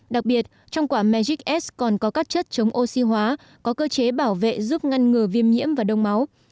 đặc biệt trong quả margics còn có các chất chống oxy hóa có cơ chế bảo vệ giúp ngăn ngừa viêm nhiễm và đông máu